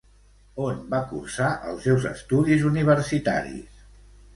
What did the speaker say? On va cursar els seus estudis universitaris?